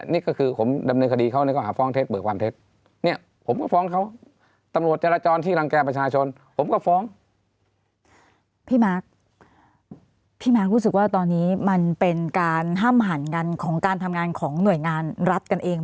นี่ก็คือผมดำเนินคดีเขา